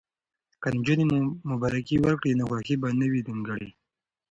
که نجونې مبارکي ورکړي نو خوښي به نه وي نیمګړې.